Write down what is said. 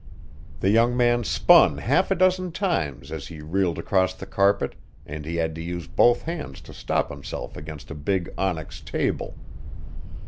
The young man spun half a dozen times as he reeled across the carpet and he had to use both hands to stop himself against a big onyx table.